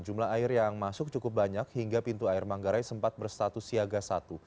jumlah air yang masuk cukup banyak hingga pintu air manggarai sempat berstatus siaga satu